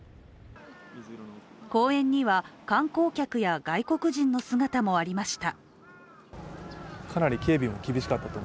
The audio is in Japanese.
公園には観光客や外国人の姿もありました。